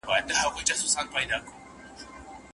حاکميت تش د امر کولو په معنا نه دی.